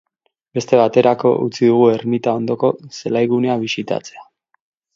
Beste baterako utziko dugu ermita ondoko zelaigunea bisitatzea.